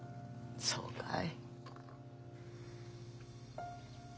そうかい。